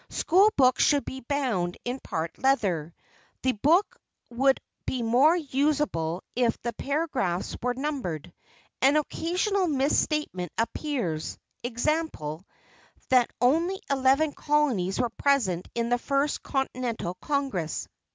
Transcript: School books should be bound in part leather. The book would be more usable if the paragraphs were numbered. An occasional misstatement appears, e. g., that only eleven colonies were present in the First Continental Congress (p.